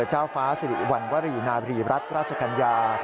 เจ้าฟ้าสิริวัณวรีนาบรีรัฐราชกัญญา